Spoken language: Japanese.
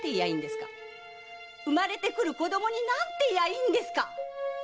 産まれてくる子どもに何て言えばいいんですか